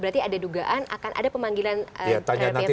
berarti ada dugaan akan ada pemanggilan